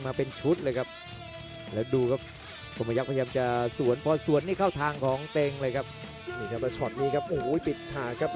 มัดแห่บ้นหลอกก่อนครับ